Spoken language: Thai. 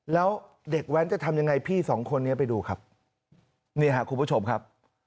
แล้วเด็กแว้นจะทำยังไงพี่สองคนนี้ไปดูครับนี่ครับคุณผู้ชมครับ